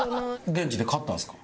現地で買ったんですか？